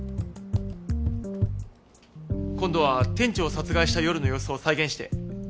今度は店長を殺害した夜の様子を再現して。